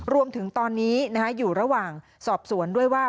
รวมถึงตอนนี้อยู่ระหว่างสอบสวนด้วยว่า